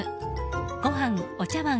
ご飯お茶わん